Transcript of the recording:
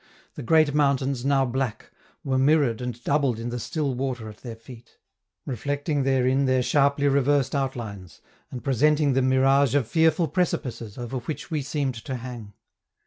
The great mountains, now black, were mirrored and doubled in the still water at their feet, reflecting therein their sharply reversed outlines, and presenting the mirage of fearful precipices, over which we seemed to hang.